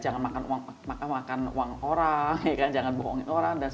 jadi harus ya jangan makan uang orang jangan bohongin orang